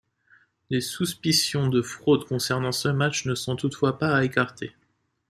Des suspicions de fraude concernant ce match ne sont toutefois pas à écarter.